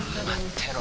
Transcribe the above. てろ